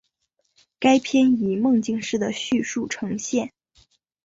该片以梦境式的叙述呈现。